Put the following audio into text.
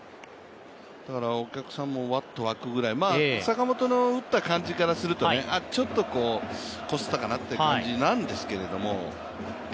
お客さんもワッと沸くぐらい、坂本の打った感じからするとあっ、ちょっとこすったかなっていう感じなんですけれども。